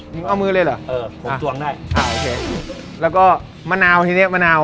นึงเอามือเลยเหรอเออเอาจวงได้เอาละแล้วก็ไม่นาวทีนี้มะนาว